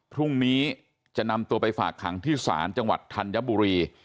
พรุ่งนี้จะนำตัวไปฝากขังที่ศาลจังหวัดธัญบุรี